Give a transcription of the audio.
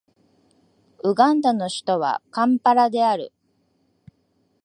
ウガンダの首都はカンパラである